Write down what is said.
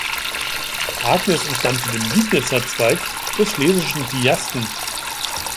Agnes entstammte dem Liegnitzer Zweig der Schlesischen Piasten.